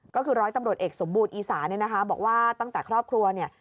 ก็คือร้อยตำรวจเอกสมบูรณอีสาเนี่ยนะคะบอกว่าตั้งแต่ครอบครัวเนี่ย